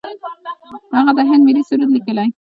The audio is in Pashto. هغه د هند ملي سرود لیکلی.